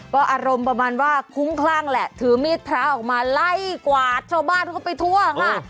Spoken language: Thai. ก็อารมณ์ประมาณว่าคุ้มคลั่งแหละถือมีดพระออกมาไล่กวาดชาวบ้านเข้าไปทั่วค่ะ